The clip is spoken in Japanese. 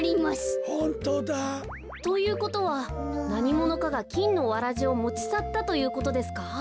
ホントだ。ということはなにものかがきんのわらじをもちさったということですか？